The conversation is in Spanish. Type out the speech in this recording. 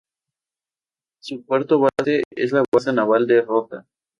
Su puerto base es la Base Naval de Rota.